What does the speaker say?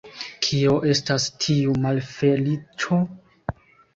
Kio estas tiu malfeliĉo?